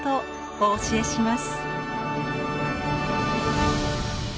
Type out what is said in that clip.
お教えします。